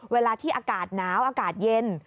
เวลาที่อากาศหนาวอากาศเย็น